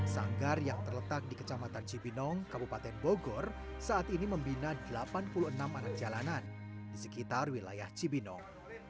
sanggar yang terletak di kecamatan cibinong kabupaten bogor saat ini membina delapan puluh enam anak jalanan di sekitar wilayah cibinong